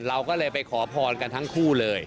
เราก็เลยไปขอพรกันทั้งคู่เลย